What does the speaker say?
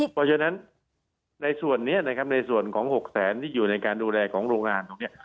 เพราะฉะนั้นในส่วนนี้นะครับในส่วนของ๖แสนที่อยู่ในการดูแลของโรงงานตรงนี้